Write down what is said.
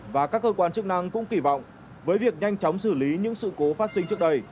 và các cơ quan chức năng cũng kỳ vọng với việc nhanh chóng xử lý những sự cố phát sinh trước đây